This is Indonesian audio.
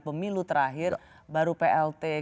pemilu terakhir baru plt